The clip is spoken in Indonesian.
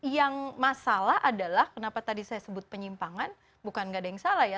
yang masalah adalah kenapa tadi saya sebut penyimpangan bukan nggak ada yang salah ya